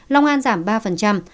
long an giảm ba